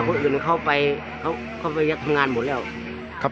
คนอื่นน่ะเข้าไปทางลหมานหมดแล้ว